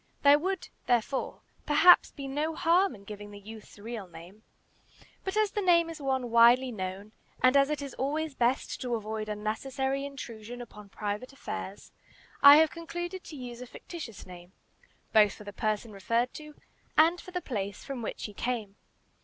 There would, therefore, perhaps be no harm in giving the youth's real name; but as the name is one widely known, and as it is always best to avoid unnecessary intrusion upon private affairs, I have concluded to use a fictitious name, both for the person referred to and for the place from which he came.